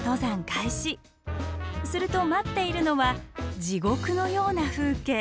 すると待っているのは地獄のような風景。